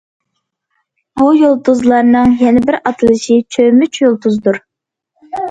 بۇ يۇلتۇزلارنىڭ يەنە بىر ئاتىلىشى چۆمۈچ يۇلتۇزدۇر.